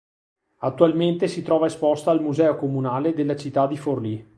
Attualmente si trova esposta al museo comunale della città di Forlì.